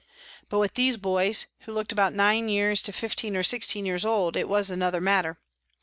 But with these boys, who looked about nine years to fifteen or sixteen years old, it was another matter.